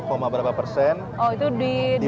oh itu di dua ribu dua puluh